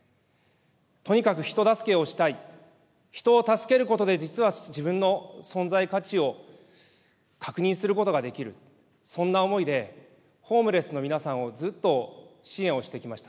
とにかく人助けをしたい、人を助けることで、実は自分の存在価値を確認することができる、そんな思いで、ホームレスの皆さんをずっと支援をしてきました。